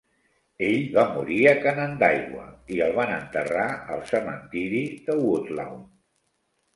Ell va morir a Canandaigua i el van enterrar al cementiri de Woodlawn.